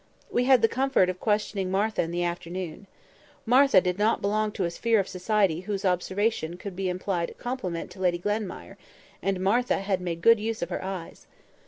We had the comfort of questioning Martha in the afternoon. Martha did not belong to a sphere of society whose observation could be an implied compliment to Lady Glenmire, and Martha had made good use of her eyes.